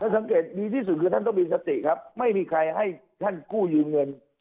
สังเกตดีที่สุดคือท่านก็มีสติครับไม่มีใครให้ท่านกู้ยืมเงิน